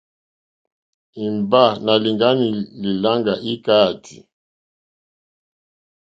Imba nà lìŋgani li làŋga ikàati.